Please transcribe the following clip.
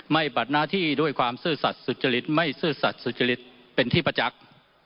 บัดหน้าที่ด้วยความซื่อสัตว์สุจริตไม่ซื่อสัตว์สุจริตเป็นที่ประจักษ์